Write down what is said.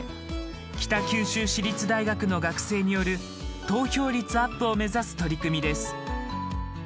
北九州市立大学の学生による投票率アップを目指す取り組みです。